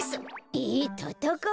えたたかう！？